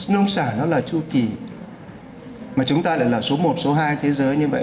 nông sản nó là chu kỳ mà chúng ta lại là số một số hai thế giới như vậy